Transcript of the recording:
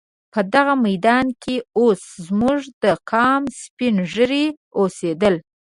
په دغه میدان کې اوس زموږ د قام سپین ږیري اوسېدل.